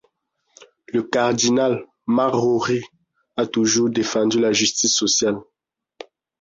Le cardinal MacRory a toujours défendu la justice sociale.